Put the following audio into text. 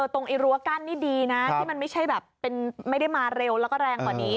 ตรงรั้วกั้นนี่ดีนะที่มันไม่ใช่แบบไม่ได้มาเร็วแล้วก็แรงกว่านี้